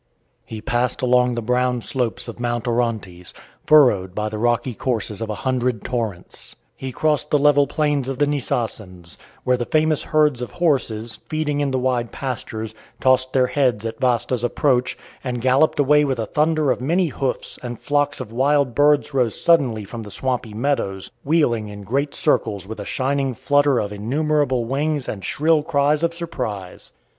He passed along the brown slopes of Mt. Orontes, furrowed by the rocky courses of a hundred torrents. He crossed the level plains of the Nisaeans, where the famous herds of horses, feeding in the wide pastures, tossed their heads at Vasda's approach, and galloped away with a thunder of many hoofs, and flocks of wild birds rose suddenly from the swampy meadows, wheeling in great circles with a shining flutter of innumerable wings and shrill cries of surprise.